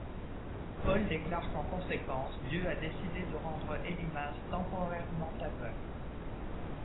Paul déclare qu'en conséquence, Dieu a décidé de rendre Élymas temporairement aveugle.